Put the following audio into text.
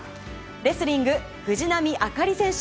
レスリング、藤波朱理選手